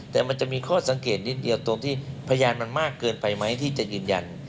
แต่มันจะมีข้อสังเกตนิดเดียวตรงที่พยานมันมากเกินไปไหมที่จะยืนยัน